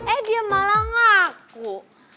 eh dia malah ngaku